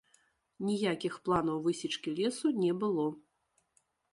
Ніякіх планаў высечкі лесу не было.